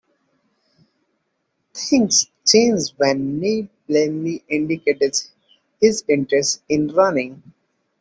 Things changed when Neil Blaney indicated his interest in running.